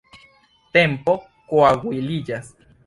Tempo koaguliĝas.